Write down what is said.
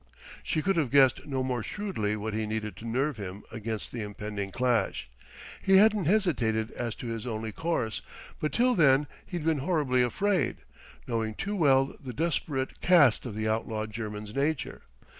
She could have guessed no more shrewdly what he needed to nerve him against the impending clash. He hadn't hesitated as to his only course, but till then he'd been horribly afraid, knowing too well the desperate cast of the outlawed German's nature.